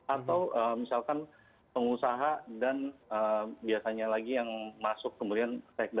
atau misalkan pengusaha dan biasanya lagi yang masuk kemudian segmen